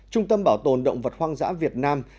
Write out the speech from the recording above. trung tâm bảo tồn động vật hoang dã việt nam